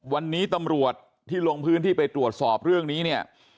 วันนี้ตำรวจที่ลงพื้นที่ไปตรวจสอบเรื่องนี้เนี่ย